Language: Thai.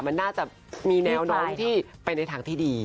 มันน่าจะมีแนวโน้มที่ไปในทางที่ดี